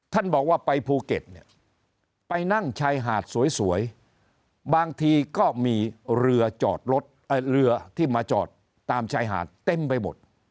บอกว่าไปภูเก็ตเนี่ยไปนั่งชายหาดสวยบางทีก็มีเรือจอดรถเรือที่มาจอดตามชายหาดเต็มไปหมด